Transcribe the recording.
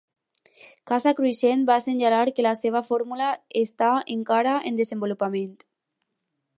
Casa Cruixent va assenyalar que la seva fórmula està encara en desenvolupament.